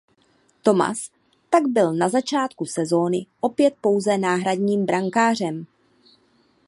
Thomas tak byl na začátku sezony opět pouze náhradním brankářem.